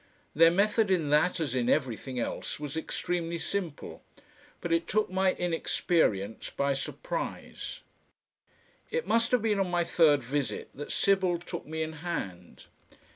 Their method in that as in everything else was extremely simple, but it took my inexperience by surprise. It must have been on my third visit that Sybil took me in hand.